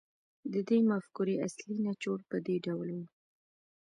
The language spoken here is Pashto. د دې مفکورې اصلي نچوړ په دې ډول و